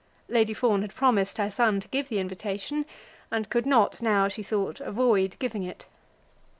Lady Fawn had promised her son to give the invitation, and could not now, she thought, avoid giving it.